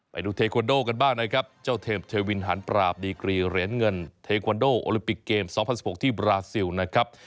ไปดูเทควันโดกันบ้างนะครับเจ้าเทมเทวินหันปราบดีกรีเหรียญเงินเทควันโดโอลิมปิกเกม๒๐๑๖ที่บราซิลนะครับ